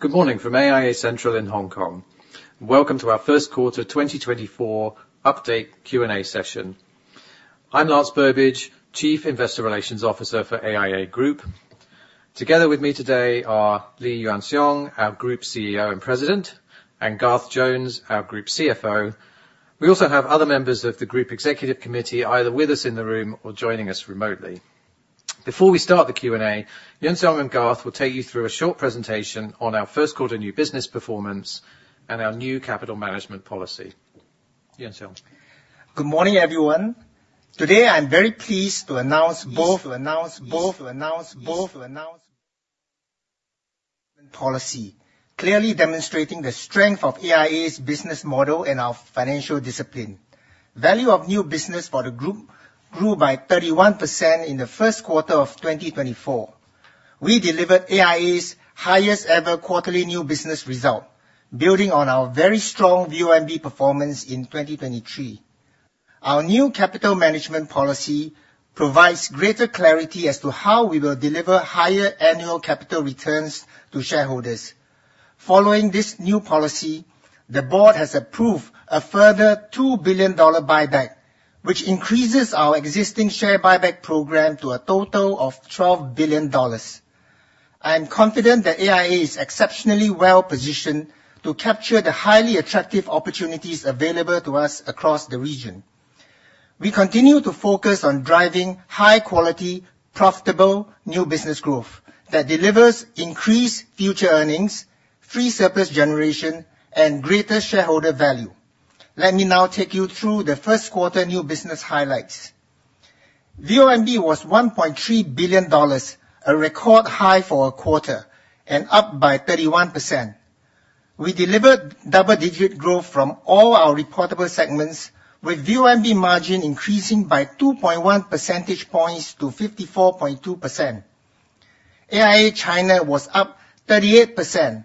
Good morning from AIA Central in Hong Kong. Welcome to our First Quarter 2024 Update Q&A session. I'm Lance Burbidge, Chief Investor Relations Officer for AIA Group. Together with me today are Lee Yuan Siong, our Group CEO and President, and Garth Jones, our Group CFO. We also have other members of the Group Executive Committee, either with us in the room or joining us remotely. Before we start the Q&A, Yuan Siong and Garth will take you through a short presentation on our first quarter new business performance and our new capital management policy. Yuan Siong? Good morning, everyone. Today, I'm very pleased to announce our first quarter results and our new capital management policy, clearly demonstrating the strength of AIA's business model and our financial discipline. Value of new business for the group grew by 31% in the first quarter of 2024. We delivered AIA's highest ever quarterly new business result, building on our very strong VONB performance in 2023. Our new capital management policy provides greater clarity as to how we will deliver higher annual capital returns to shareholders. Following this new policy, the Board has approved a further $2 billion buyback, which increases our existing share buyback program to a total of $12 billion. I am confident that AIA is exceptionally well-positioned to capture the highly attractive opportunities available to us across the region. We continue to focus on driving high quality, profitable new business growth that delivers increased future earnings, free surplus generation, and greater shareholder value. Let me now take you through the first quarter new business highlights. VONB was $1.3 billion, a record high for a quarter, and up by 31%. We delivered double-digit growth from all our reportable segments, with VONB margin increasing by 2.1 percentage points to 54.2%. AIA China was up 38%,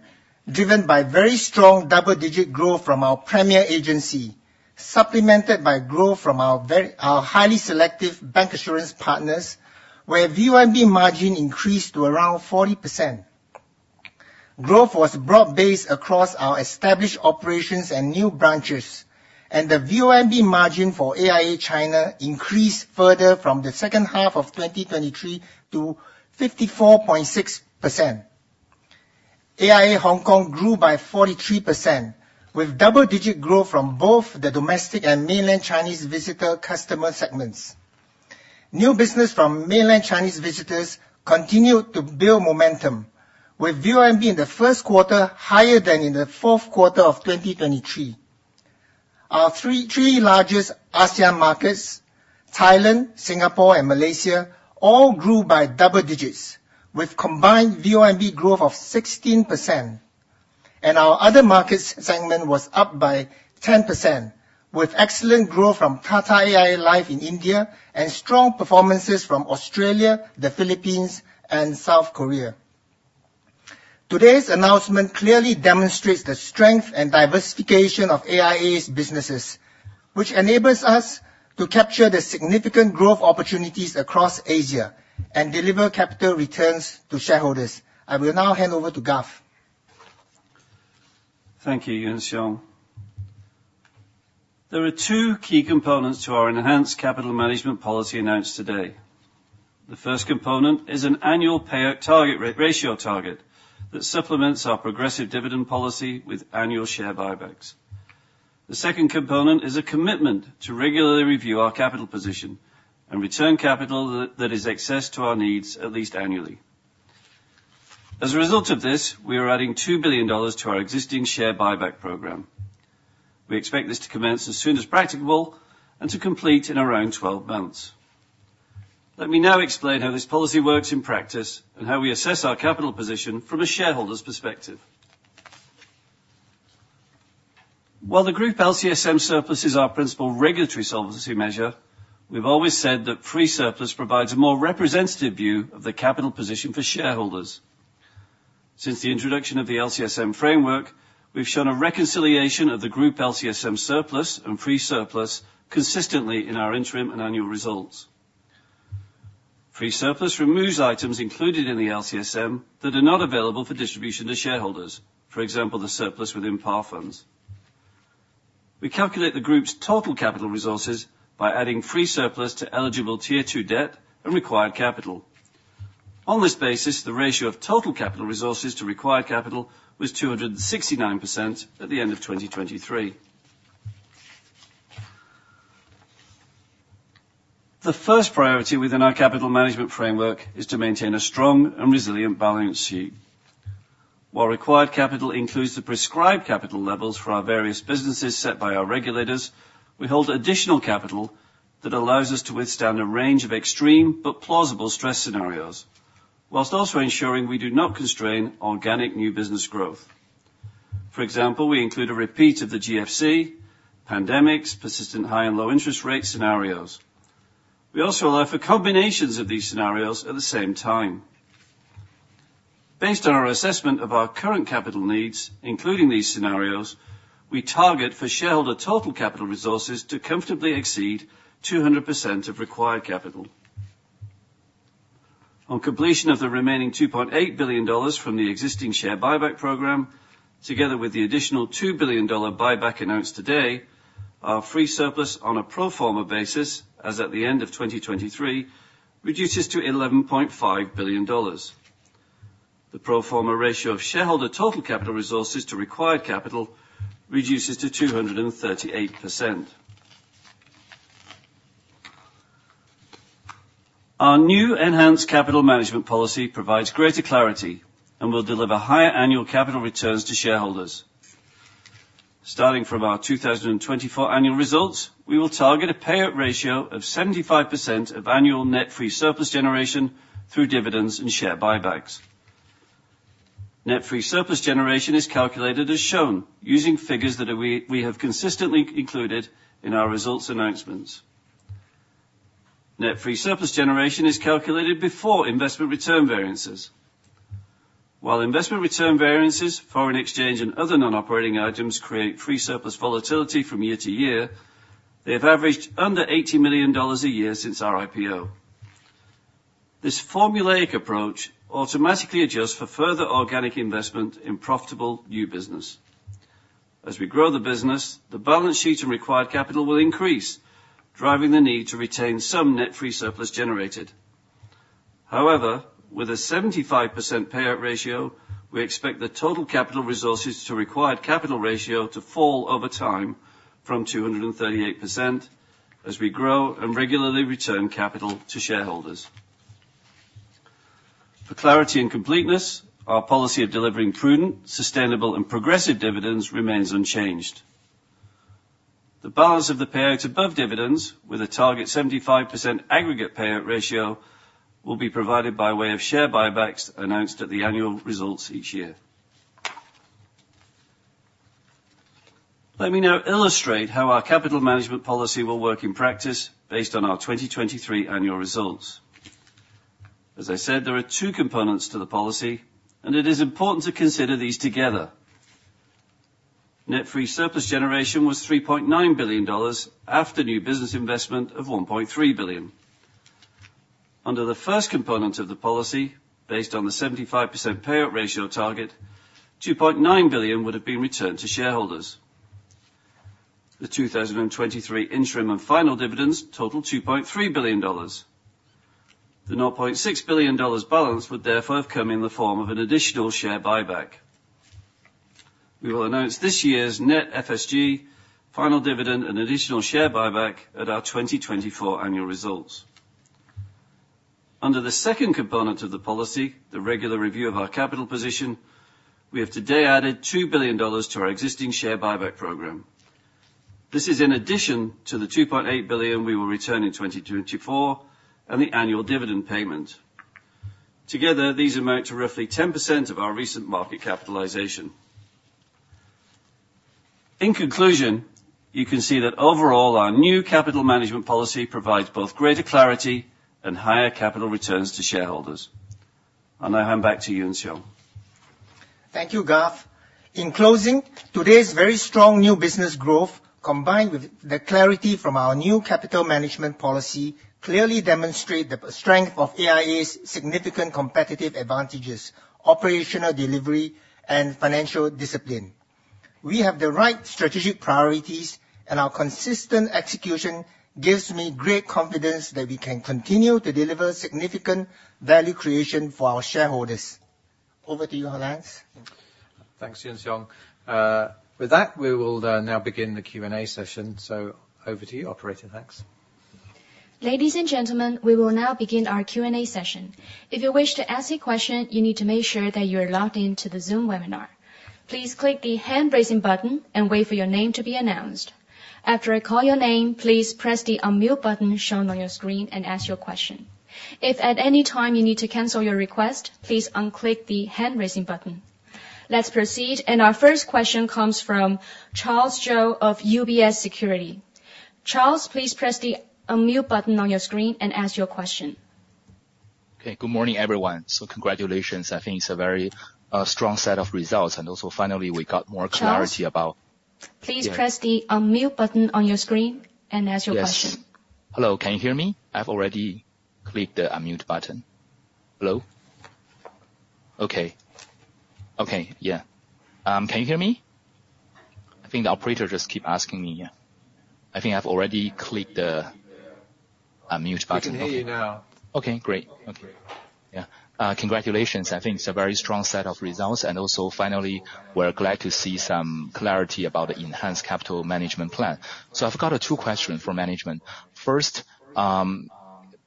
driven by very strong double-digit growth from our premier agency, supplemented by growth from our highly selective bancassurance partners, where VONB margin increased to around 40%. Growth was broad-based across our established operations and new branches, and the VONB margin for AIA China increased further from the second half of 2023 to 54.6%. AIA Hong Kong grew by 43%, with double-digit growth from both the domestic and mainland Chinese visitor customer segments. New business from mainland Chinese visitors continued to build momentum, with VONB in the first quarter higher than in the fourth quarter of 2023. Our three largest ASEAN markets, Thailand, Singapore, and Malaysia, all grew by double digits, with combined VONB growth of 16%. Our other markets segment was up by 10%, with excellent growth from Tata AIA Life in India, and strong performances from Australia, the Philippines, and South Korea. Today's announcement clearly demonstrates the strength and diversification of AIA's businesses, which enables us to capture the significant growth opportunities across Asia and deliver capital returns to shareholders. I will now hand over to Garth. Thank you, Yuan Siong. There are two key components to our enhanced capital management policy announced today. The first component is an annual payout ratio target that supplements our progressive dividend policy with annual share buybacks. The second component is a commitment to regularly review our capital position and return capital that is excess to our needs at least annually. As a result of this, we are adding $2 billion to our existing share buyback program. We expect this to commence as soon as practicable and to complete in around 12 months. Let me now explain how this policy works in practice and how we assess our capital position from a shareholder's perspective. While the Group LCSM surplus is our principal regulatory solvency measure, we've always said that free surplus provides a more representative view of the capital position for shareholders. Since the introduction of the LCSM framework, we've shown a reconciliation of the Group LCSM surplus and free surplus consistently in our interim and annual results. Free surplus removes items included in the LCSM that are not available for distribution to shareholders, for example, the surplus within Par funds. We calculate the group's total capital resources by adding free surplus to eligible Tier 2 debt and required capital. On this basis, the ratio of total capital resources to required capital was 269% at the end of 2023. The first priority within our capital management framework is to maintain a strong and resilient balance sheet. While required capital includes the prescribed capital levels for our various businesses set by our regulators, we hold additional capital that allows us to withstand a range of extreme but plausible stress scenarios, while also ensuring we do not constrain organic new business growth. For example, we include a repeat of the GFC, pandemics, persistent high and low interest rate scenarios. We also allow for combinations of these scenarios at the same time. Based on our assessment of our current capital needs, including these scenarios, we target for shareholder total capital resources to comfortably exceed 200% of required capital. On completion of the remaining $2.8 billion from the existing share buyback program, together with the additional $2 billion buyback announced today, our free surplus on a pro forma basis, as at the end of 2023, reduces to $11.5 billion. The pro forma ratio of shareholder total capital resources to required capital reduces to 238%. Our new enhanced capital management policy provides greater clarity and will deliver higher annual capital returns to shareholders. Starting from our 2024 annual results, we will target a payout ratio of 75% of annual net free surplus generation through dividends and share buybacks. Net free surplus generation is calculated as shown, using figures that we have consistently included in our results announcements. Net free surplus generation is calculated before investment return variances. While investment return variances, foreign exchange, and other non-operating items create free surplus volatility from year to year, they have averaged under $80 million a year since our IPO. This formulaic approach automatically adjusts for further organic investment in profitable new business. As we grow the business, the balance sheet and required capital will increase, driving the need to retain some net free surplus generated. However, with a 75% payout ratio, we expect the total capital resources to required capital ratio to fall over time from 238% as we grow and regularly return capital to shareholders. For clarity and completeness, our policy of delivering prudent, sustainable, and progressive dividends remains unchanged. The balance of the payout above dividends, with a target 75% aggregate payout ratio, will be provided by way of share buybacks announced at the annual results each year. Let me now illustrate how our capital management policy will work in practice based on our 2023 annual results. As I said, there are two components to the policy, and it is important to consider these together. Net free surplus generation was $3.9 billion after new business investment of $1.3 billion. Under the first component of the policy, based on the 75% payout ratio target, $2.9 billion would have been returned to shareholders. The 2023 interim and final dividends total $2.3 billion. The $0.6 billion balance would therefore have come in the form of an additional share buyback. We will announce this year's net FSG final dividend and additional share buyback at our 2024 annual results. Under the second component of the policy, the regular review of our capital position, we have today added $2 billion to our existing share buyback program. This is in addition to the $2.8 billion we will return in 2024 and the annual dividend payment. Together, these amount to roughly 10% of our recent market capitalization. In conclusion, you can see that overall, our new capital management policy provides both greater clarity and higher capital returns to shareholders. I'll now hand back to Yuan Siong. Thank you, Garth. In closing, today's very strong new business growth, combined with the clarity from our new capital management policy, clearly demonstrate the strength of AIA's significant competitive advantages, operational delivery, and financial discipline. We have the right strategic priorities, and our consistent execution gives me great confidence that we can continue to deliver significant value creation for our shareholders. Over to you, Lance. Thanks, Yuan Siong. With that, we will now begin the Q&A session. So over to you, operator. Thanks. Ladies and gentlemen, we will now begin our Q&A session. If you wish to ask a question, you need to make sure that you're logged in to the Zoom webinar. Please click the hand-raising button and wait for your name to be announced. After I call your name, please press the unmute button shown on your screen and ask your question. If at any time you need to cancel your request, please unclick the hand-raising button. Let's proceed, and our first question comes from Charles Zhou of UBS Securities. Charles, please press the unmute button on your screen and ask your question. Okay. Good morning, everyone. So congratulations. I think it's a very strong set of results, and also finally, we got more clarity about- Charles, please press the unmute button on your screen and ask your question. Yes. Hello, can you hear me? I've already clicked the unmute button. Hello? Okay. Okay, yeah. Can you hear me? I think the operator just keep asking me, yeah. I think I've already clicked the unmute button. We can hear you now. Okay, great. Okay. Yeah. Congratulations. I think it's a very strong set of results, and also finally, we're glad to see some clarity about the enhanced capital management plan. So I've got two questions for management. First,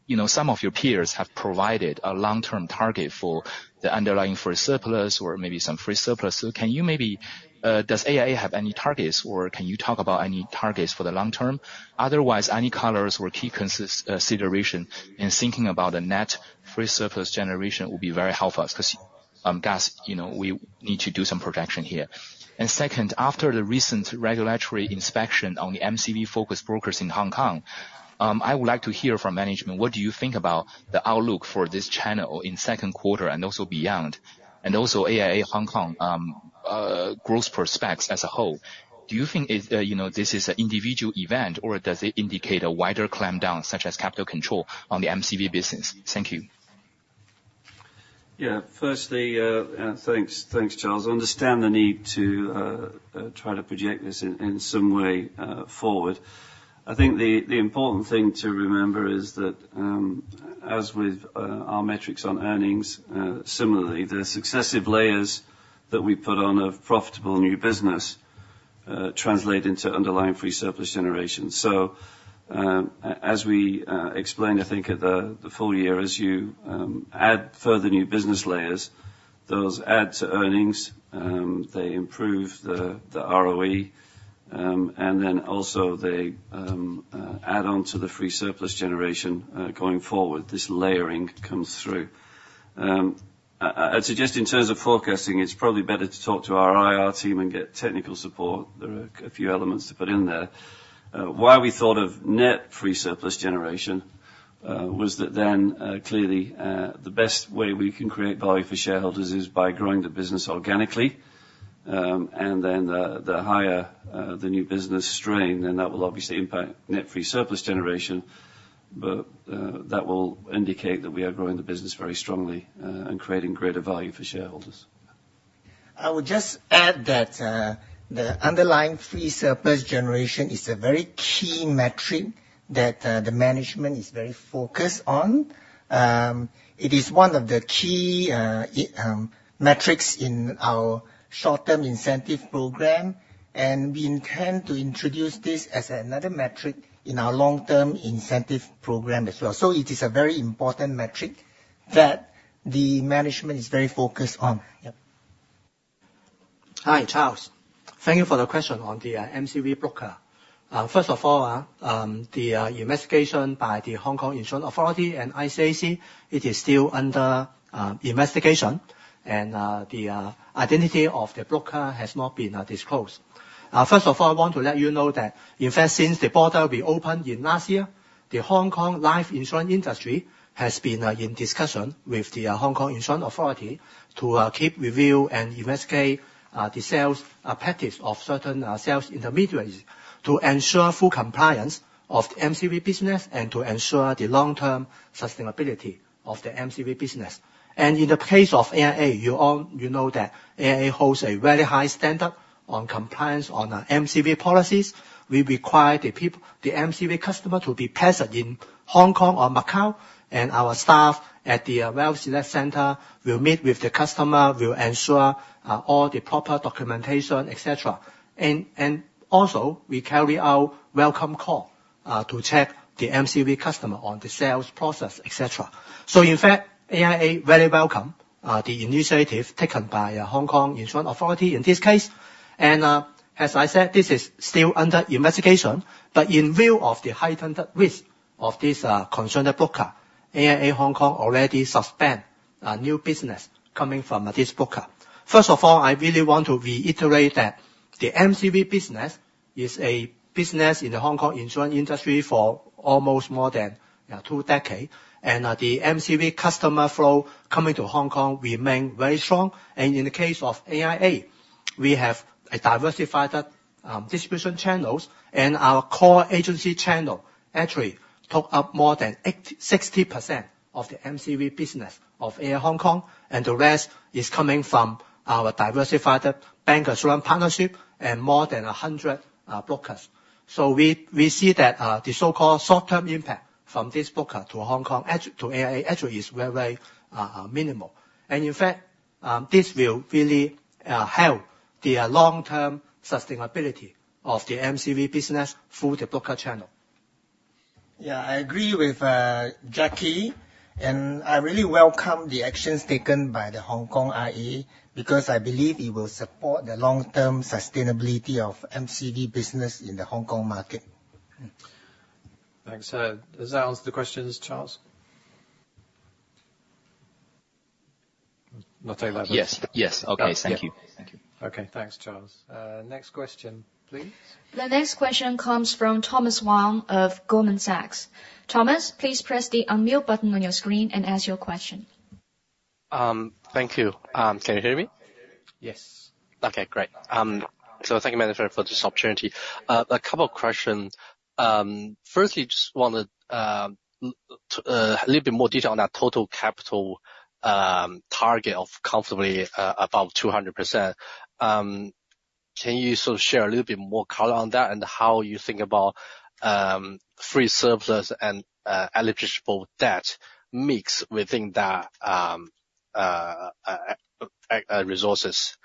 you know, some of your peers have provided a long-term target for the underlying free surplus or maybe some free surplus. So can you maybe, does AIA have any targets, or can you talk about any targets for the long term? Otherwise, any colors or key considerations in thinking about the net free surplus generation will be very helpful to us, because, Garth, you know, we need to do some projection here. And second, after the recent regulatory inspection on the MCV-focused brokers in Hong Kong, I would like to hear from management, what do you think about the outlook for this channel in second quarter and also beyond, and also AIA Hong Kong growth prospects as a whole. Do you think it, you know, this is an individual event, or does it indicate a wider clampdown, such as capital control on the MCV business? Thank you. Yeah. Firstly, thanks, thanks, Charles. I understand the need to try to project this in some way forward. I think the important thing to remember is that, as with our metrics on earnings, similarly, the successive layers that we put on a profitable new business translate into underlying free surplus generation. So, as we explained, I think, at the full year, as you add further new business layers, those add to earnings, they improve the ROE, and then also they add on to the free surplus generation going forward, this layering comes through. I'd suggest in terms of forecasting, it's probably better to talk to our IR team and get technical support. There are a few elements to put in there. Why we thought of net free surplus generation was that then, clearly, the best way we can create value for shareholders is by growing the business organically. Then the higher the new business strain, then that will obviously impact net free surplus generation, but, that will indicate that we are growing the business very strongly, and creating greater value for shareholders. I would just add that the underlying free surplus generation is a very key metric that the management is very focused on. It is one of the key metrics in our short-term incentive program, and we intend to introduce this as another metric in our long-term incentive program as well. So it is a very important metric that the management is very focused on. Yep. Hi, Charles. Thank you for the question on the MCV broker. First of all, the investigation by the Hong Kong Insurance Authority and ICAC, it is still under investigation, and the identity of the broker has not been disclosed. First of all, I want to let you know that in fact, since the border we opened in last year, the Hong Kong life insurance industry has been in discussion with the Hong Kong Insurance Authority to keep, review, and investigate the sales practice of certain sales intermediaries to ensure full compliance of the MCV business and to ensure the long-term sustainability of the MCV business. In the case of AIA, you all, you know that AIA holds a very high standard on compliance on MCV policies. We require the MCVcustomer to be present in Hong Kong or Macau, and our staff at the Wealth Select Centre will meet with the customer, will ensure all the proper documentation, et cetera. We also carry out welcome call to check the MCV customer on the sales process, et cetera. In fact, AIA very welcome the initiative taken by Hong Kong Insurance Authority in this case. As I said, this is still under investigation, but in view of the heightened risk of this concerned broker, AIA Hong Kong already suspend new business coming from this broker. First of all, I really want to reiterate that the MCV business is a business in the Hong Kong insurance industry for almost more than two decades, and the MCV customer flow coming to Hong Kong remain very strong. In the case of AIA, we have a diversified distribution channels, and our core agency channel actually took up more than 80% of the MCV business of AIA Hong Kong, and the rest is coming from our diversified bancassurance partnership and more than 100 brokers. So we see that the so-called short-term impact from this broker to Hong Kong to AIA actually is very, very minimal. In fact, this will really help the long-term sustainability of the MCV business through the broker channel. Yeah, I agree with Jacky, and I really welcome the actions taken by the Hong Kong IA, because I believe it will support the long-term sustainability of MCV business in the Hong Kong market. Thanks. Does that answer the questions, Charles? Not heard that back. Yes, yes. Okay, thank you. Yeah. Thank you. Okay, thanks, Charles. Next question, please. The next question comes from Thomas Wang of Goldman Sachs. Thomas, please press the unmute button on your screen and ask your question. Thank you. Can you hear me? Yes. Okay, great. Thank you, gentlemen, for this opportunity. A couple of questions. Firstly, just wanted a little bit more detail on that total capital target of comfortably above 200%. Can you sort of share a little bit more color on that, and how you think about free surplus and eligible debt mix within that resources?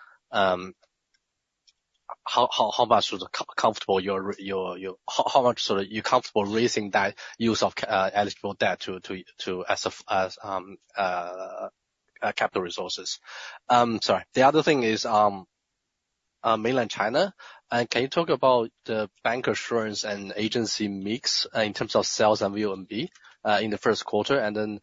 How much sort of you're comfortable raising that use of eligible debt to as capital resources? Sorry. The other thing is Mainland China. Can you talk about the bancassurance and agency mix in terms of sales and VONB in the first quarter? Then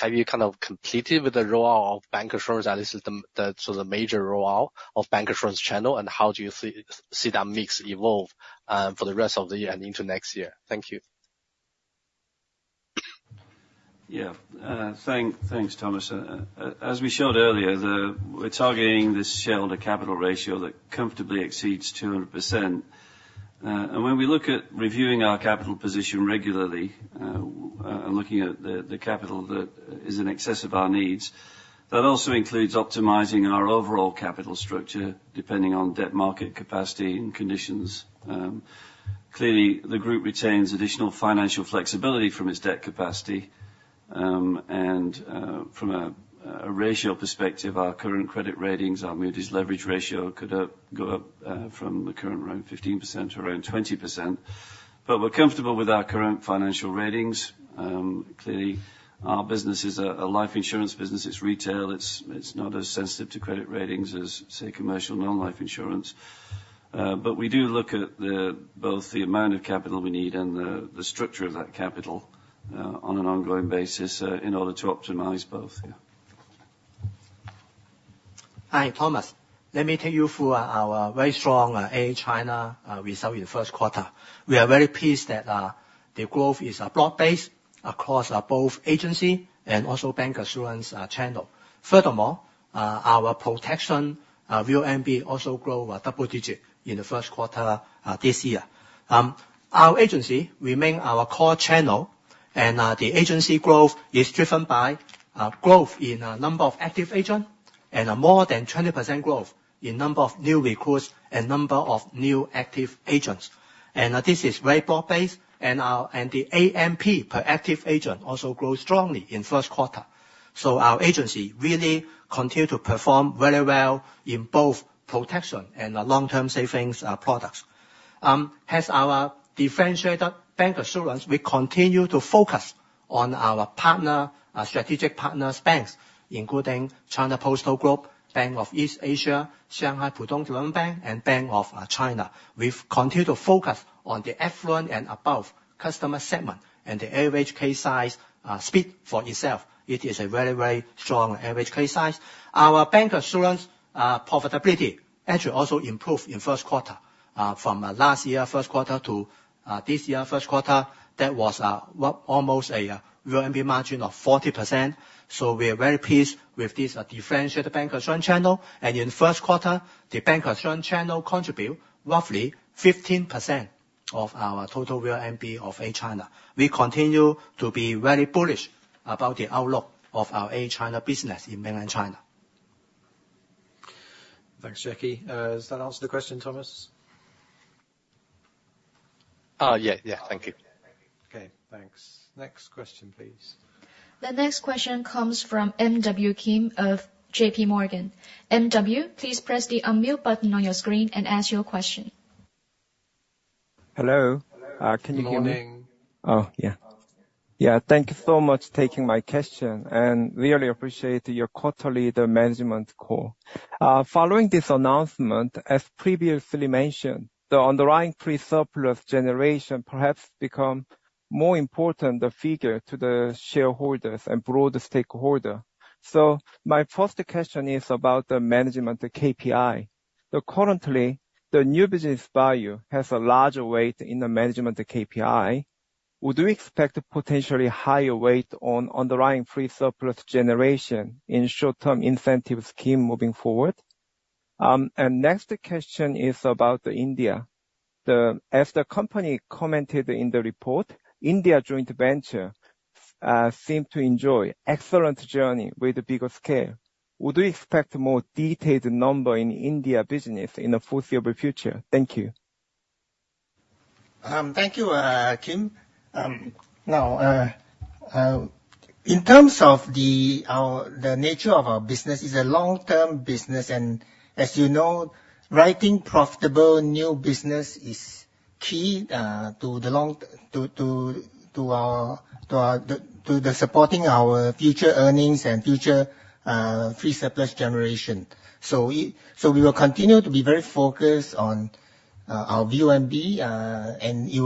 have you kind of completed with the rollout of bancassurance, and this is the so the major rollout of bancassurance channel, and how do you see that mix evolve for the rest of the year and into next year? Thank you. Yeah, thanks, Thomas. As we showed earlier, we're targeting this shareholder capital ratio that comfortably exceeds 200%. When we look at reviewing our capital position regularly, and looking at the capital that is in excess of our needs, that also includes optimizing our overall capital structure, depending on debt market capacity and conditions. Clearly, the group retains additional financial flexibility from its debt capacity. From a ratio perspective, our current credit ratings, our Moody's leverage ratio could go up from the current around 15%-20%. But we're comfortable with our current financial ratings. Clearly, our business is a life insurance business. It's retail. It's not as sensitive to credit ratings as, say, commercial non-life insurance. But we do look at both the amount of capital we need and the structure of that capital, on an ongoing basis, in order to optimize both. Yeah. Hi, Thomas. Let me take you through our very strong AIA China results in the first quarter. We are very pleased that the growth is broad-based across both agency and also bancassurance channel. Furthermore, our protection VONB also grows double-digit in the first quarter this year. Our agency remains our core channel, and the agency growth is driven by growth in a number of active agent, and a more than 20% growth in number of new recruits and number of new active agents. This is very broad-based, and the ANP per active agent also grows strongly in first quarter. So our agency really continues to perform very well in both protection and the long-term savings products. As our differentiated bancassurance, we continue to focus on our partner, strategic partners banks, including China Post Group, Bank of East Asia, Shanghai Pudong Development Bank, and Bank of China. We've continued to focus on the affluent and above customer segment, and the average case size speak for itself. It is a very, very strong average case size. Our bancassurance profitability actually also improved in first quarter. From last year, first quarter to this year, first quarter, that was what almost a VONB margin of 40%. So we are very pleased with this differentiated bancassurance channel. In the first quarter, the bancassurance channel contribute roughly 15% of our total VONB of AIA China. We continue to be very bullish about the outlook of our AIA China business in Mainland China. Thanks, Jacky. Does that answer the question, Thomas? Yeah, yeah. Thank you. Okay, thanks. Next question, please. The next question comes from MW Kim of J.P. Morgan. MW, please press the unmute button on your screen and ask your question. Hello? Can you hear me? Good morning. Oh, yeah. Yeah, thank you so much for taking my question, and really appreciate your quarterly management call. Following this announcement, as previously mentioned, the underlying free surplus generation perhaps become more important, the figure, to the shareholders and broader stakeholder. So my first question is about the management, the KPI. So currently, the new business value has a larger weight in the management, the KPI. Would we expect a potentially higher weight on underlying free surplus generation in short-term incentive scheme moving forward? And next question is about the India. As the company commented in the report, India joint venture seem to enjoy excellent journey with bigger scale. Would we expect more detailed number in India business in the foreseeable future? Thank you. Thank you, Kim. Now, in terms of the nature of our business, it's a long-term business, and as you know, writing profitable new business is key to supporting our future earnings and future free surplus generation. So we will continue to be very focused on our VNB, and it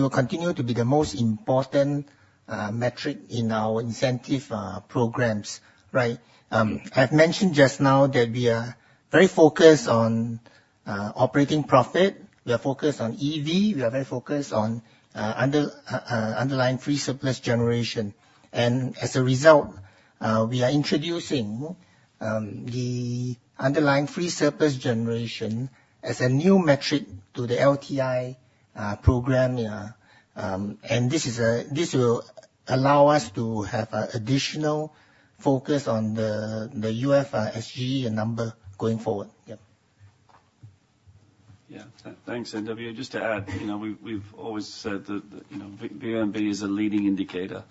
will continue to be the most important metric in our incentive programs. Right? I've mentioned just now that we are very focused on operating profit. We are focused on EV. We are very focused on underlying free surplus generation. As a result, we are introducing the underlying free surplus generation as a new metric to the LTI program. Yeah. This will allow us to have an additional focus on the UFSG number going forward. Yeah. Yeah. Thanks, MW. Just to add, you know, we've always said that, you know, VNB is a leading indicator.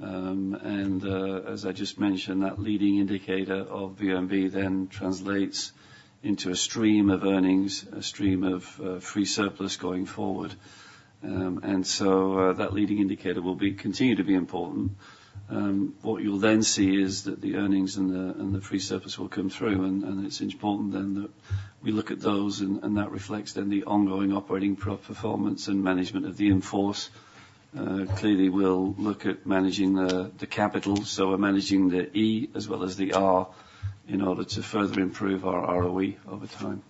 As I just mentioned, that leading indicator of VNB then translates into a stream of earnings, a stream of free surplus going forward. And so that leading indicator will continue to be important. What you'll then see is that the earnings and the free surplus will come through, and it's important then that we look at those, and that reflects then the ongoing operating performance and management of the in-force. Clearly, we'll look at managing the capital, so we're managing the E as well as the R in order to further improve our ROE over time.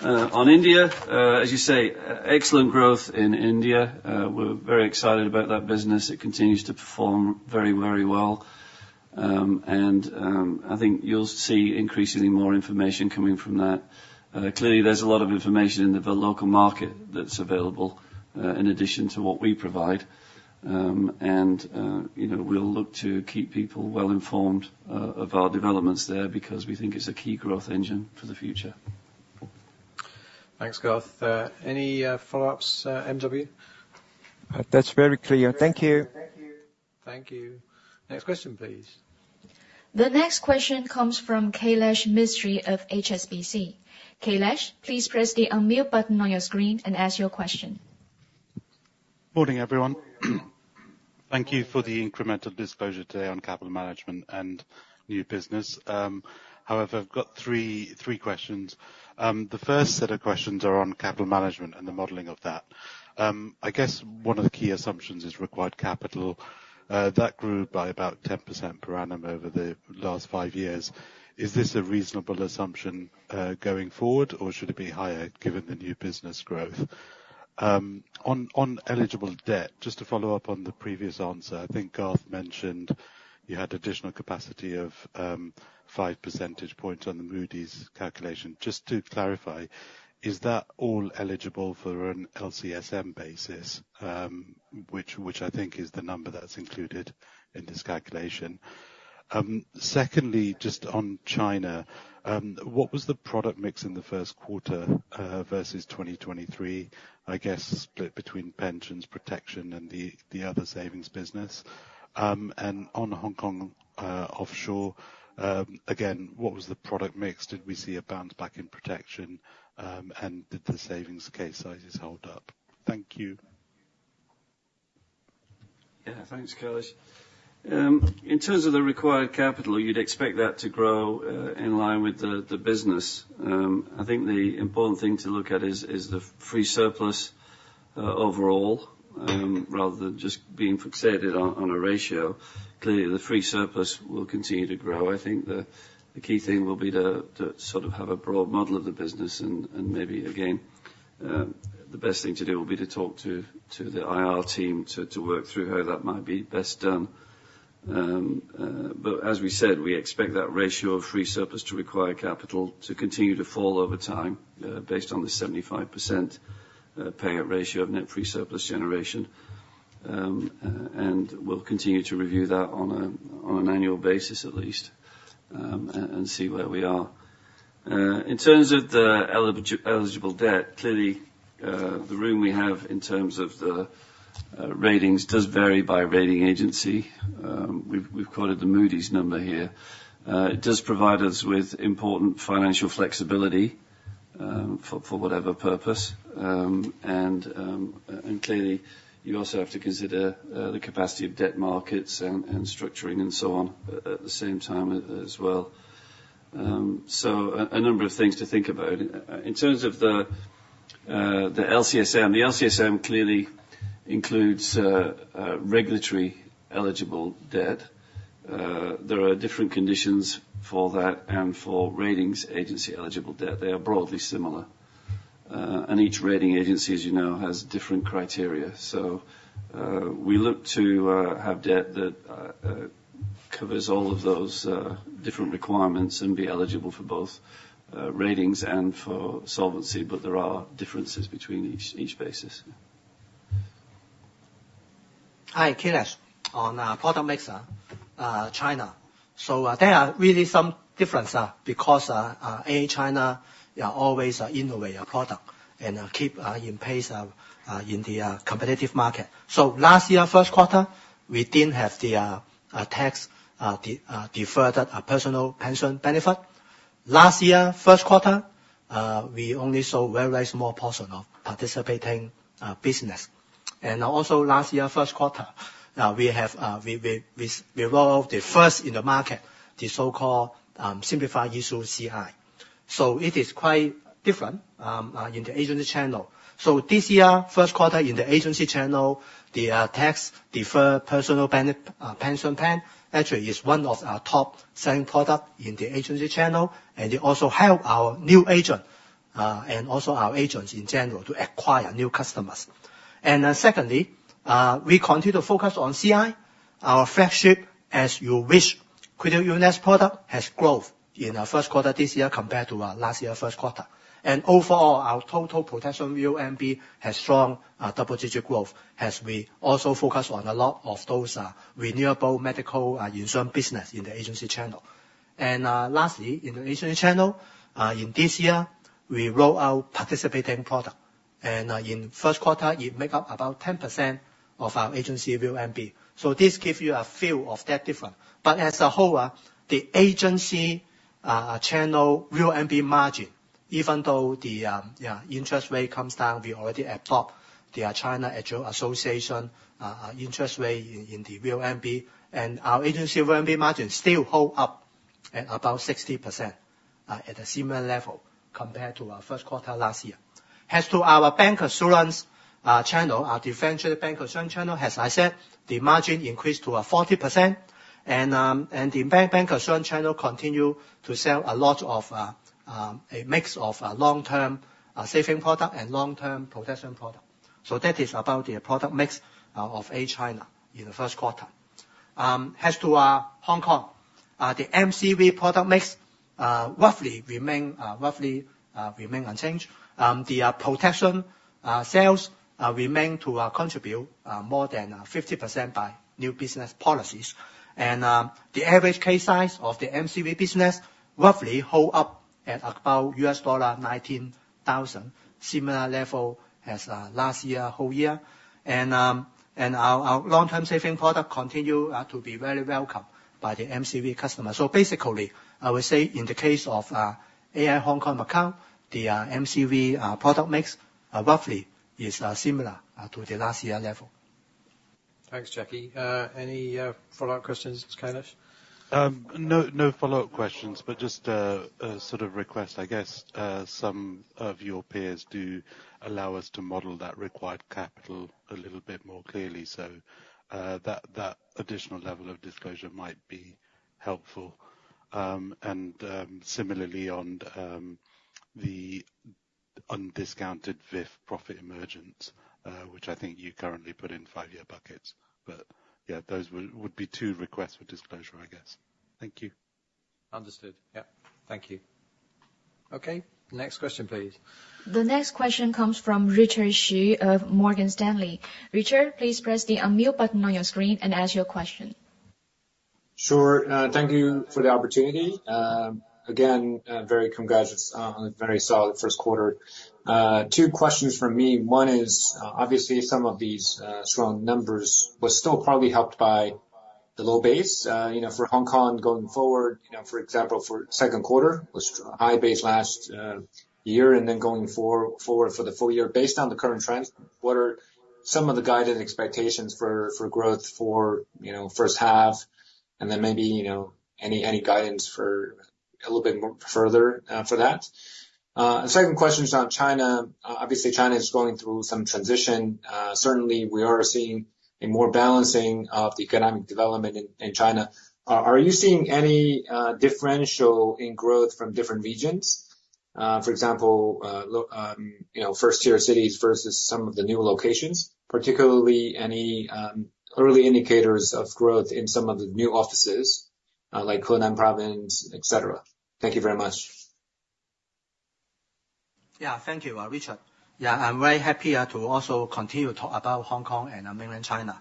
On India, as you say, excellent growth in India. We're very excited about that business. It continues to perform very, very well. I think you'll see increasingly more information coming from that. Clearly, there's a lot of information in the local market that's available in addition to what we provide. You know, we'll look to keep people well-informed of our developments there, because we think it's a key growth engine for the future. Thanks, Garth. Any follow-ups, MW? That's very clear. Thank you. Thank you. Thank you. Next question, please. The next question comes from Kailesh Mistry of HSBC. Kailesh, please press the unmute button on your screen and ask your question. Morning, everyone. Thank you for the incremental disclosure today on capital management and new business. However, I've got three, three questions. The first set of questions are on capital management and the modeling of that. I guess one of the key assumptions is required capital. That grew by about 10% per annum over the last five years. Is this a reasonable assumption, going forward, or should it be higher, given the new business growth? On eligible debt, just to follow up on the previous answer, I think Garth mentioned you had additional capacity of five percentage points on the Moody's calculation. Just to clarify, is that all eligible for an LCSM basis? Which I think is the number that's included in this calculation. Secondly, just on China, what was the product mix in the first quarter, versus 2023? I guess, split between pensions, protection, and the, the other savings business. On Hong Kong, offshore, again, what was the product mix? Did we see a bounce back in protection, and did the savings case sizes hold up? Thank you. Yeah. Thanks, Kailesh. In terms of the required capital, you'd expect that to grow in line with the business. I think the important thing to look at is the free surplus overall, rather than just being fixated on a ratio. Clearly, the free surplus will continue to grow. I think the key thing will be to sort of have a broad model of the business, and maybe again, the best thing to do will be to talk to the IR team to work through how that might be best done. But as we said, we expect that ratio of free surplus to required capital to continue to fall over time, based on the 75% payout ratio of net free surplus generation. And we'll continue to review that on an annual basis at least, and see where we are. In terms of the eligible debt, clearly, the room we have in terms of the ratings does vary by rating agency. We've quoted the Moody's number here. It does provide us with important financial flexibility for whatever purpose. And clearly, you also have to consider the capacity of debt markets and structuring, and so on, at the same time as well. So a number of things to think about. In terms of the LCSM, the LCSM clearly includes regulatory eligible debt. There are different conditions for that and for ratings agency eligible debt. They are broadly similar. Each rating agency, as you know, has different criteria. So, we look to have debt that covers all of those different requirements and be eligible for both ratings and for solvency, but there are differences between each basis. Hi, Kailesh. On product mix, China. So there are really some difference, because in China, they are always innovate a product and keep in pace in the competitive market. So last year, first quarter, we didn't have the tax-deferred personal pension benefit. Last year, first quarter, we only saw a very small portion of participating business. And also last year, first quarter, we have we rolled out the first in the market, the so-called simplified issue, CI. So it is quite different in the agency channel. So this year, first quarter in the agency channel, the Tax-deferred Personal Pension plan actually is one of our top-selling product in the agency channel, and it also help our new agent and also our agents in general to acquire new customers. Then secondly, we continue to focus on CI, our flagship As You Wish Critical Illness product has growth in our first quarter this year compared to last year first quarter. And overall, our total protection VONB has strong double-digit growth, as we also focus on a lot of those renewable medical insurance business in the agency channel. And lastly, in the agency channel in this year, we roll out participating product. In first quarter, it make up about 10% of our agency VONB. So this give you a feel of that difference. But as a whole, the agency channel VONB margin, even though the interest rate comes down, we already adopt the China Association interest rate in the VONB, and our agency VONB margin still hold up at about 60%, at a similar level compared to our first quarter last year. As to our bancassurance channel, our differentiated bancassurance channel, as I said, the margin increased to 40%. And the bank bancassurance channel continue to sell a lot of a mix of long-term saving product and long-term protection product. So that is about the product mix of AIA China in the first quarter. As to Hong Kong, the MCV product mix roughly remain unchanged. The protection sales remain to contribute more than 50% by new business policies. And the average case size of the MCV business roughly hold up at about $19,000, similar level as last year whole year. And and our our long-term saving product continue to be very welcome by the MCV customer. So basically, I would say in the case of AIA Hong Kong Macau, the MCV product mix roughly is similar to the last year level. Thanks, Jacky. Any follow-up questions, Kailesh? No, no follow-up questions, but just a sort of request, I guess. Some of your peers do allow us to model that required capital a little bit more clearly, so that additional level of disclosure might be helpful. And similarly, on the undiscounted fifth profit emergence, which I think you currently put in five-year buckets. But yeah, those would be two requests for disclosure, I guess. Thank you. Understood. Yeah. Thank you. Okay, next question, please. The next question comes from Richard Xu of Morgan Stanley. Richard, please press the unmute button on your screen and ask your question. Sure, thank you for the opportunity. Again, very congrats on a very solid first quarter. Two questions from me. One is, obviously, some of these strong numbers were still probably helped by the low base. You know, for Hong Kong going forward, you know, for example, for second quarter, was high base last year, and then going forward for the full year. Based on the current trends, what are some of the guided expectations for growth for, you know, first half, and then maybe, you know, any guidance for a little bit more further for that? The second question is on China. Obviously, China is going through some transition. Certainly, we are seeing a more balancing of the economic development in China. Are you seeing any differential in growth from different regions? For example, you know, first-tier cities versus some of the new locations, particularly any early indicators of growth in some of the new offices, like Henan Province, et cetera? Thank you very much. Yeah. Thank you, Richard. Yeah, I'm very happy to also continue to talk about Hong Kong and Mainland China.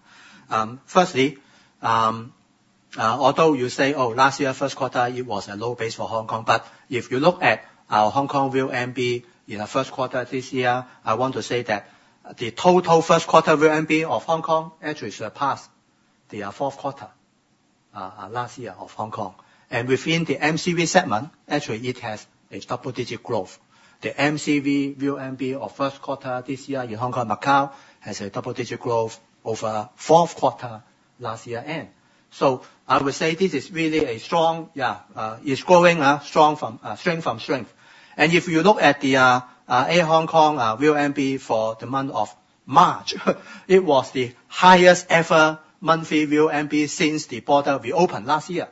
Firstly, although you say, "Oh, last year, first quarter, it was a low base for Hong Kong," but if you look at our Hong Kong VONB in the first quarter this year, I want to say that the total first quarter VONB of Hong Kong actually surpassed the fourth quarter last year of Hong Kong. And within the MCV segment, actually, it has a double-digit growth. The MCV VONB of first quarter this year in Hong Kong, Macau, has a double-digit growth over fourth quarter last year end. So I would say this is really a strong, yeah, it's growing strong from strength from strength. If you look at the AIA Hong Kong VONB for the month of March, it was the highest ever monthly VONB since the border reopened last year.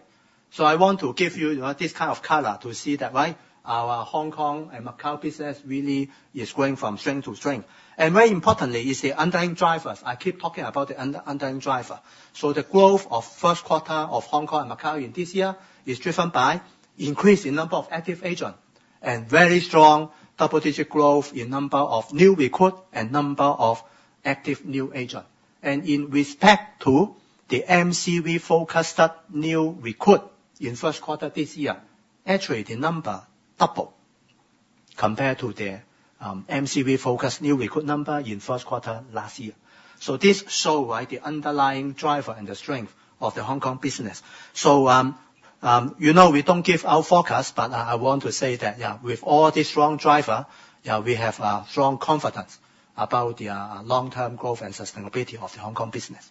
So I want to give you this kind of color to see that, right? Our Hong Kong and Macau business really is growing from strength to strength. And very importantly, is the underlying drivers. I keep talking about the underlying driver. So the growth of first quarter of Hong Kong and Macau in this year is driven by increase in number of active agent and very strong double-digit growth in number of new recruit and number of active new agent. In respect to the MCV-focused new recruit in first quarter this year, actually, the number double compared to the MCV-focused new recruit number in first quarter last year. So this shows, right, the underlying driver and the strength of the Hong Kong business. So, you know, we don't give our forecast, but I want to say that, yeah, with all this strong driver, yeah, we have strong confidence about the long-term growth and sustainability of the Hong Kong business.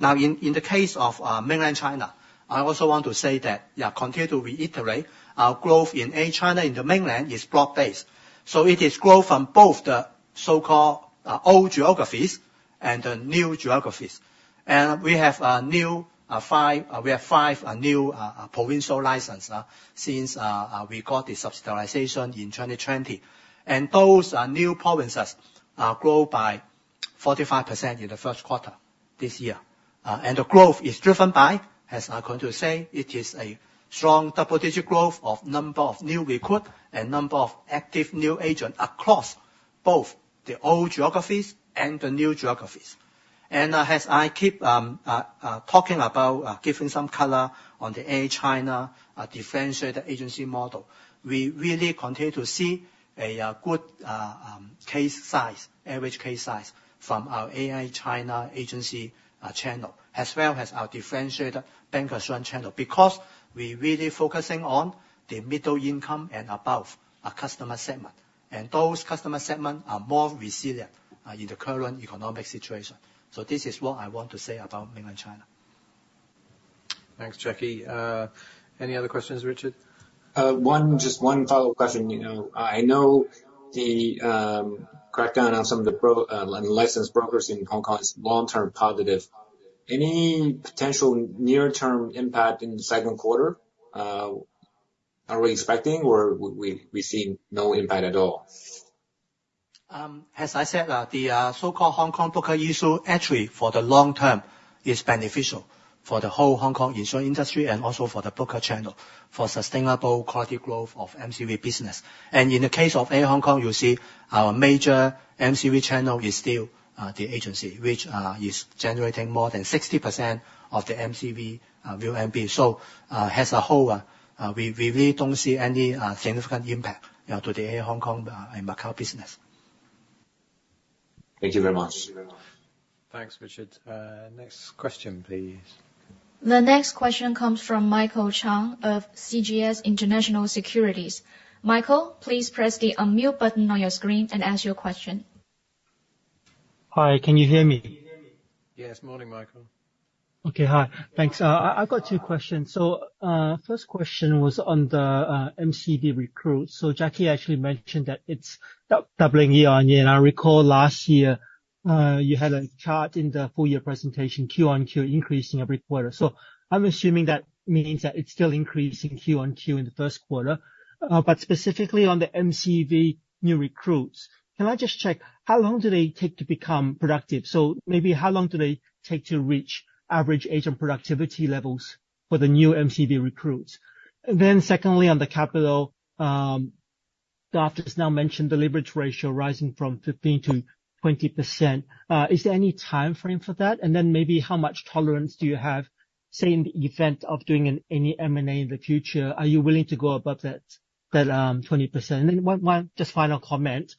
Now, in the case of Mainland China, I also want to say that, yeah, continue to reiterate our growth in AIA China, in the Mainland is broad-based. So it is growth from both the so-called old geographies and the new geographies. We have five new provincial licenses since we got the authorization in 2020. And those new provinces grow by 45% in the first quarter this year. And the growth is driven by, as I'm going to say, it is a strong double-digit growth of number of new recruit and number of active new agent across both the old geographies and the new geographies. And, as I keep talking about, giving some color on the AIA China differentiated agency model, we really continue to see a good case size, average case size from our AIA China agency channel, as well as our differentiated bancassurance channel, because we're really focusing on the middle income and above our customer segment, and those customer segment are more resilient in the current economic situation. So this is what I want to say about Mainland China. Thanks, Jacky. Any other questions, Richard? One, just one follow-up question. You know, I know the crackdown on some of the broker licensed brokers in Hong Kong is long-term positive. Any potential near-term impact in the second quarter, are we expecting, or we see no impact at all? As I said, the so-called Hong Kong broker issue, actually, for the long term, is beneficial for the whole Hong Kong insurance industry and also for the broker channel, for sustainable quality growth of MCV business. In the case of AIA Hong Kong, you see our major MCV channel is still the agency, which is generating more than 60% of the MCV VONB. So, as a whole, we really don't see any significant impact, you know, to the AIA Hong Kong and Macau business. Thank you very much. Thanks, Richard. Next question, please. The next question comes from Michael Chang of CGS International Securities. Michael, please press the unmute button on your screen and ask your question. Hi, can you hear me? Yes. Morning, Michael. Okay, hi. Thanks. I've got two questions. So, first question was on the MCV recruit. So Jacky actually mentioned that it's doubling year-on-year, and I recall last year you had a chart in the full-year presentation, Q-on-Q, increasing every quarter. So I'm assuming that means that it's still increasing Q-on-Q in the first quarter. But specifically on the MCV new recruits, can I just check, how long do they take to become productive? So maybe how long do they take to reach average agent productivity levels for the new MCV recruits? Then secondly, on the capital, Garth has now mentioned the leverage ratio rising from 15%-20%. Is there any timeframe for that? Then maybe how much tolerance do you have, say, in the event of doing any M&A in the future, are you willing to go above that 20%? Then one just final comment.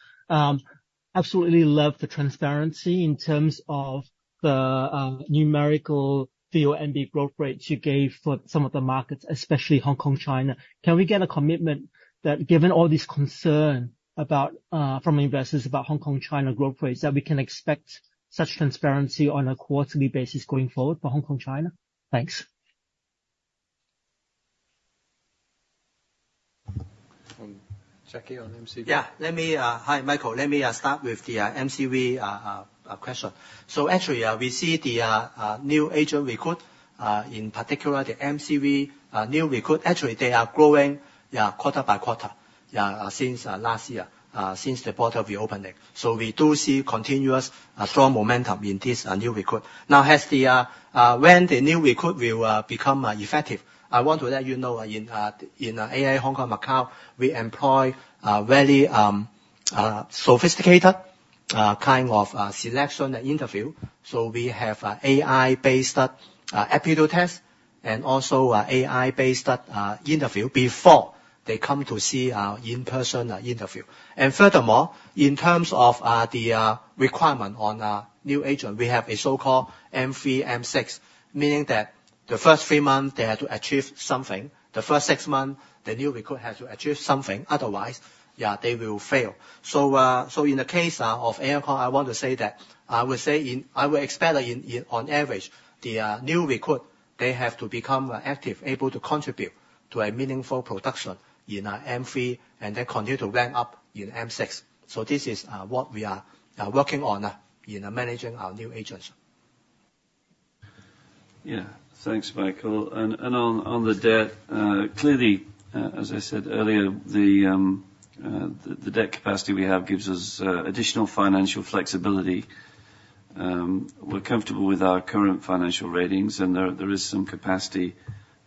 Absolutely love the transparency in terms of the numerical VONB growth rates you gave for some of the markets, especially Hong Kong, China. Can we get a commitment that given all this concern about from investors about Hong Kong, China growth rates, that we can expect such transparency on a quarterly basis going forward for Hong Kong, China? Thanks. Jacky, on MCV? Yeah, let me... Hi, Michael. Let me start with the MCV question. So actually, we see the new agent recruit, in particular, the MCV new recruit. Actually, they are growing, yeah, quarter by quarter, yeah, since last year, since the border re-opened. So we do see continuous strong momentum in this new recruit. Now, when the new recruit will become effective, I want to let you know in AIA Hong Kong, Macau, we employ a very sophisticated kind of selection interview. So we have AI-based aptitude test and also AI-based interview before they come to see our in-person interview. Furthermore, in terms of the requirement on our new agent, we have a so-called M3, M6, meaning that the first three months, they had to achieve something. The first six months, the new recruit had to achieve something, otherwise, yeah, they will fail. So, in the case of AIA, I want to say that I would expect, on average, the new recruit, they have to become active, able to contribute to a meaningful production in M3, and then continue to ramp up in M6. So this is what we are working on in managing our new agents. Yeah. Thanks, Michael. On the debt, clearly, as I said earlier, the debt capacity we have gives us additional financial flexibility. We're comfortable with our current financial ratings, and there is some capacity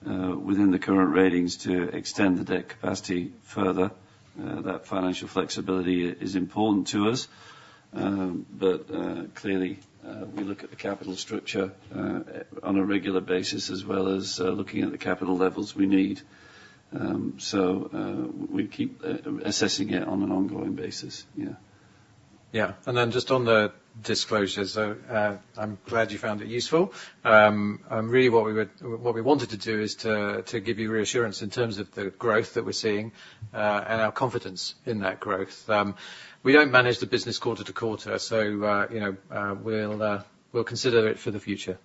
within the current ratings to extend the debt capacity further. That financial flexibility is important to us. But clearly, we look at the capital structure on a regular basis, as well as looking at the capital levels we need. So we keep assessing it on an ongoing basis. Yeah. Yeah. Then just on the disclosure, so, I'm glad you found it useful. And really what we would—what we wanted to do is to give you reassurance in terms of the growth that we're seeing, and our confidence in that growth. We don't manage the business quarter to quarter, so, you know, we'll consider it for the future.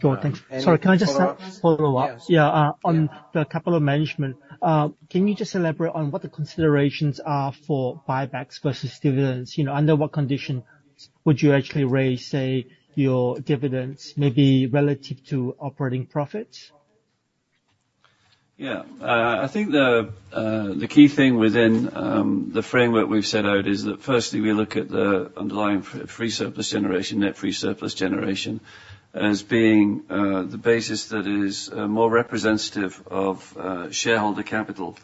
Sure. Thanks. Any- Sorry, can I just follow up? Yes. Yeah, on the capital management, can you just elaborate on what the considerations are for buybacks versus dividends? You know, under what conditions would you actually raise, say, your dividends, maybe relative to operating profits? Yeah. I think the key thing within the framework we've set out is that, firstly, we look at the underlying free surplus generation, net free surplus generation, as being the basis that is more representative of shareholder capital.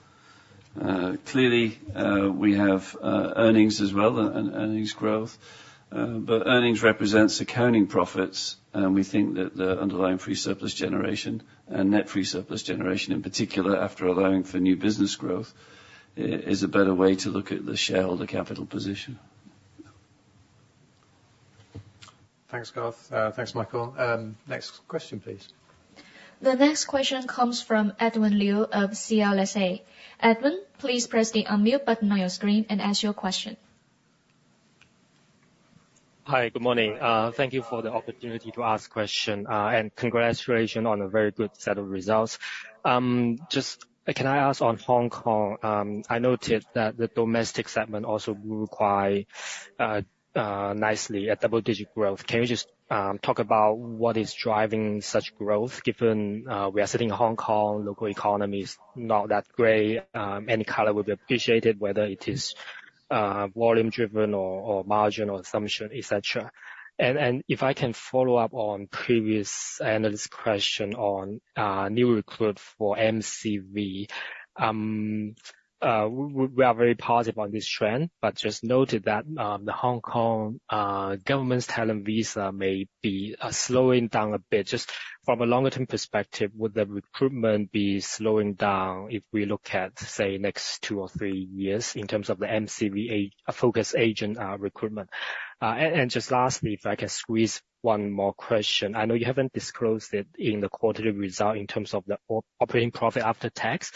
Clearly, we have earnings as well, and earnings growth, but earnings represents accounting profits, and we think that the underlying free surplus generation, and net free surplus generation in particular, after allowing for new business growth, is a better way to look at the shareholder capital position. Thanks, Garth. Thanks, Michael. Next question, please. The next question comes from Edwin Liu of CLSA. Edwin, please press the unmute button on your screen and ask your question. Hi, good morning. Thank you for the opportunity to ask question, and congratulations on a very good set of results. Just, can I ask on Hong Kong, I noted that the domestic segment also grew quite nicely, a double-digit growth. Can you just talk about what is driving such growth, given we are sitting in Hong Kong, local economy is not that great, any color would be appreciated, whether it is volume-driven or margin or assumption, et cetera? And if I can follow up on previous analyst question on new recruit for MCV. We are very positive on this trend, but just noted that the Hong Kong government's talent visa may be slowing down a bit. Just from a longer term perspective, would the recruitment be slowing down if we look at, say, next two or three years in terms of the MCV focus agent recruitment? And just lastly, if I can squeeze one more question. I know you haven't disclosed it in the quarterly result in terms of the operating profit after tax.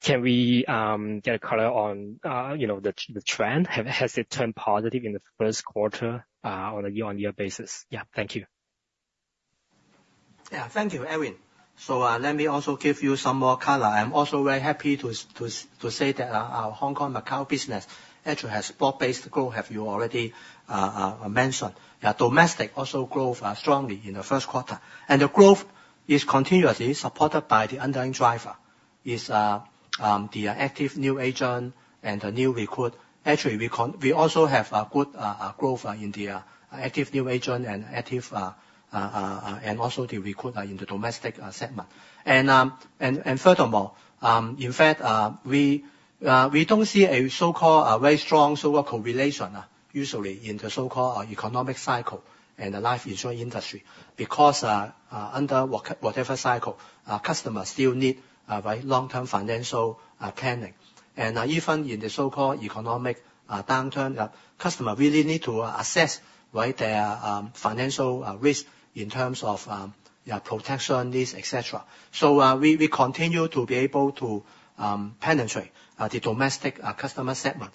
Can we get a color on, you know, the trend? Has it turned positive in the first quarter on a year-on-year basis? Yeah, thank you. Yeah, thank you, Edwin. So, let me also give you some more color. I'm also very happy to say that our Hong Kong, Macau business actually has double-digit growth, as you already mentioned. Domestic also growth strongly in the first quarter. And the growth is continuously supported by the underlying driver, the active new agent and the new recruit. Actually, we also have a good growth in the active new agent and active and also the recruit in the domestic segment. Furthermore, in fact, we don't see a so-called very strong so-called correlation usually in the so-called economic cycle in the life insurance industry, because under whatever cycle, our customers still need very long-term financial planning. Even in the so-called economic downturn, the customer really need to assess, right, their financial risk in terms of protection needs, et cetera. So, we continue to be able to penetrate the domestic customer segment.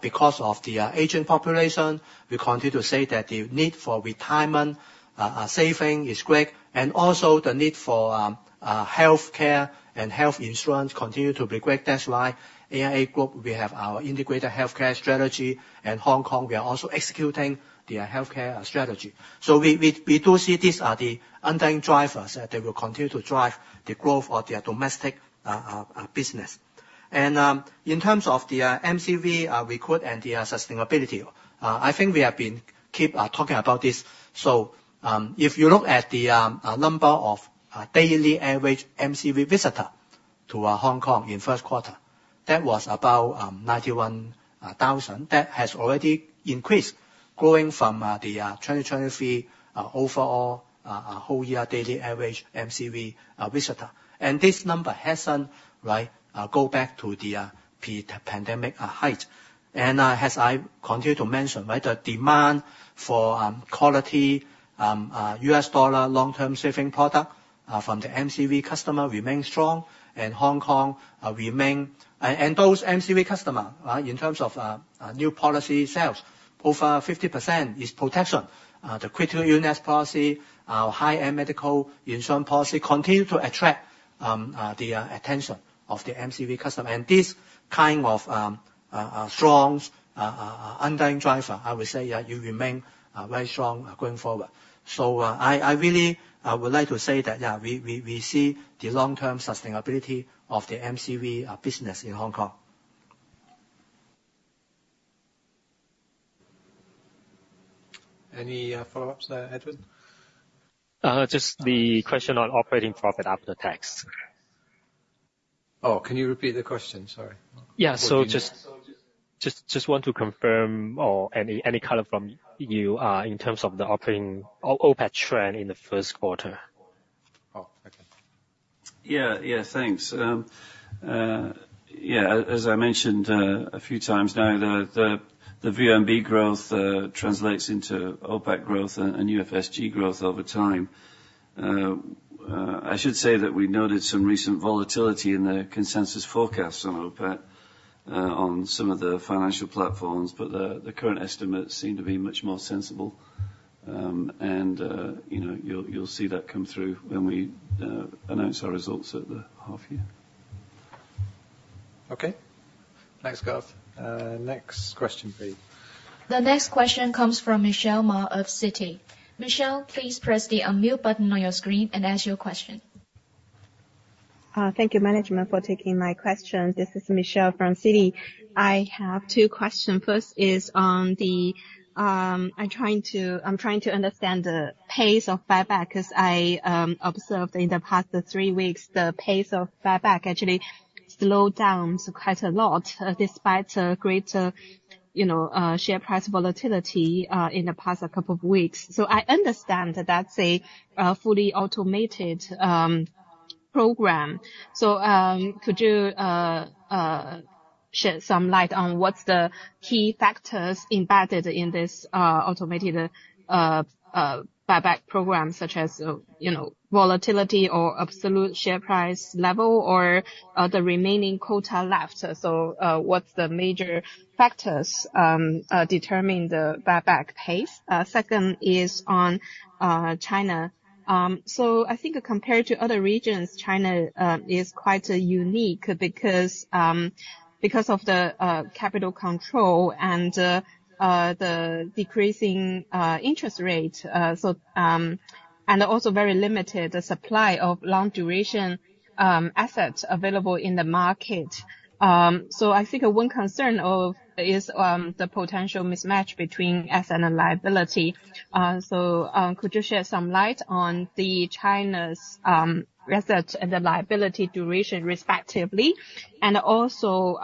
Because of the aging population, we continue to say that the need for retirement saving is great, and also the need for healthcare and health insurance continue to be great. That's why AIA Group, we have our integrated healthcare strategy, and Hong Kong, we are also executing their healthcare strategy. So we, we, we do see these are the underlying drivers, that they will continue to drive the growth of their domestic business. In terms of the MCV recruit and the sustainability, I think we have been keep talking about this. So if you look at the number of daily average MCV visitor to Hong Kong in first quarter, that was about 91,000. That has already increased, growing from the 2023 overall whole year daily average MCV visitor. This number hasn't, right, go back to the pre-pandemic height. And, as I continue to mention, right, the demand for quality US dollar long-term saving product from the MCV customer remains strong, and Hong Kong, and those MCV customer in terms of new policy sales, over 50% is protection. The critical illness policy high-end medical insurance policy continue to attract the attention of the MCV customer. This kind of strong underlying driver, I would say, yeah, it will remain very strong going forward. So, I really would like to say that, yeah, we see the long-term sustainability of the MCV business in Hong Kong. Any, follow-ups there, Edward? Just the question on Operating Profit After Tax. Oh, can you repeat the question? Sorry. Yeah. So just want to confirm, or any color from you, in terms of the operating OPAT trend in the first quarter. Oh, okay. Yeah, yeah, thanks. Yeah, as I mentioned a few times now, the VNB growth translates into OPAT growth and UFSG growth over time. I should say that we noted some recent volatility in the consensus forecast on OPAT on some of the financial platforms, but the current estimates seem to be much more sensible. And you know, you'll see that come through when we announce our results at the half year. Okay. Thanks, Garth. Next question please. The next question comes from Michelle Ma of Citi. Michelle, please press the unmute button on your screen and ask your question. Thank you, management, for taking my question. This is Michelle from Citi. I have two questions. First is on the... I'm trying to understand the pace of buyback, 'cause I observed in the past three weeks, the pace of buyback actually slowed down so quite a lot, despite a greater, you know, share price volatility, in the past couple of weeks. So I understand that that's a fully automated program. So, could you shed some light on what's the key factors embedded in this automated buyback program, such as, you know, volatility or absolute share price level or the remaining quota left? So, what's the major factors determining the buyback pace? Second is on China. So I think compared to other regions, China is quite unique because of the capital control and the decreasing interest rate. So, and also very limited supply of long duration assets available in the market. So I think one concern is the potential mismatch between asset and liability. So, could you shed some light on China's asset and the liability duration, respectively? And also,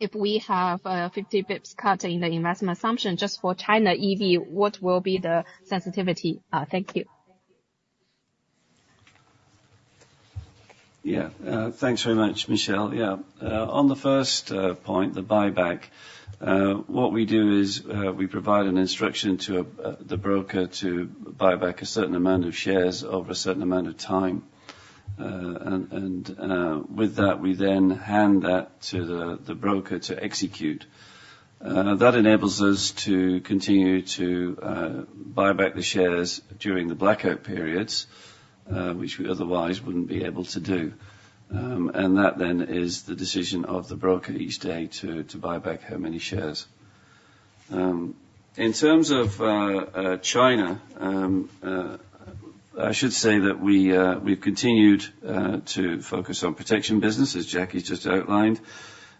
if we have 50 basis points cut in the investment assumption just for China EV, what will be the sensitivity? Thank you. Yeah. Thanks very much, Michelle. Yeah. On the first point, the buyback, what we do is we provide an instruction to the broker to buy back a certain amount of shares over a certain amount of time. And with that, we then hand that to the broker to execute. That enables us to continue to buy back the shares during the blackout periods, which we otherwise wouldn't be able to do. That then is the decision of the broker each day to buy back how many shares. In terms of China, I should say that we've continued to focus on protection business, as Jacky just outlined.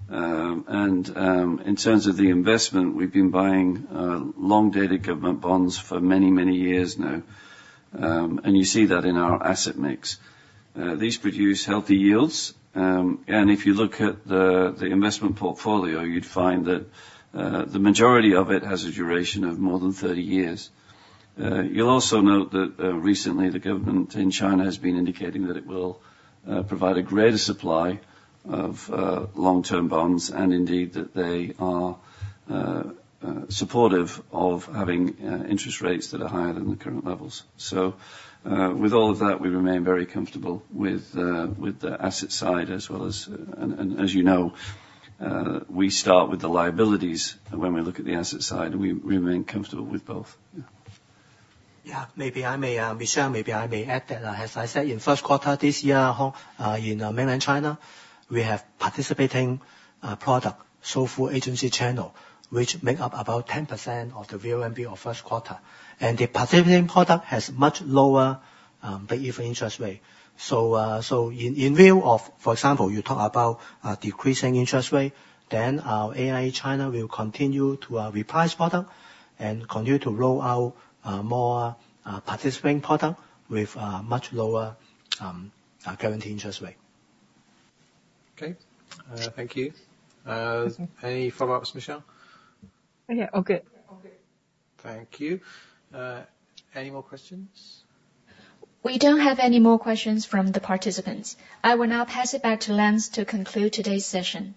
And, in terms of the investment, we've been buying long-dated government bonds for many, many years now, and you see that in our asset mix. These produce healthy yields, and if you look at the investment portfolio, you'd find that the majority of it has a duration of more than 30 years. You'll also note that recently, the government in China has been indicating that it will provide a greater supply of long-term bonds, and indeed, that they are supportive of having interest rates that are higher than the current levels. So, with all of that, we remain very comfortable with the asset side, as well as. And, and as you know, we start with the liabilities when we look at the asset side, and we remain comfortable with both. Yeah. Yeah. Maybe, Michelle, I may add that, as I said, in first quarter this year, in Mainland China, we have participating product, Premier Agency channel, which make up about 10% of the VONB of first quarter. And the participating product has much lower, break-even interest rate. So, in view of, for example, you talk about decreasing interest rate, then our AIA China will continue to reprice product and continue to roll out more participating product with much lower guaranteed interest rate. Okay. Thank you. Any follow-ups, Michelle? Yeah, all good. All good. Thank you. Any more questions? We don't have any more questions from the participants. I will now pass it back to Lance to conclude today's session.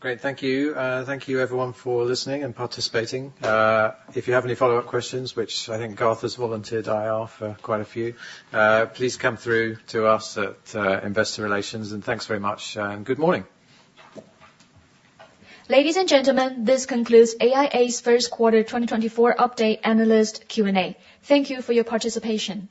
Great. Thank you. Thank you everyone for listening and participating. If you have any follow-up questions, which I think Garth's volunteered, I have quite a few, please come through to us at Investor Relations, and thanks very much, and good morning. Ladies and gentlemen, this concludes AIA's first quarter 2024 update analyst Q&A. Thank you for your participation.